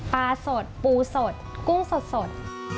ปลาสดปูสดกุ้งสด